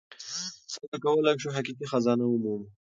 څنګه کولی شو حقیقي خزانه ومومو؟